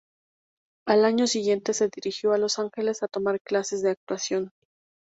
Al año siguiente se dirigió a Los Ángeles a tomar clases de actuación.